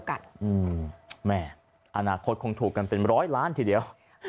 อาณาคตคงถูกกันเป็น๑๐๐ล้านทีเดียว